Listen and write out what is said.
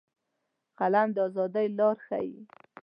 قلم د ازادۍ لارې ښيي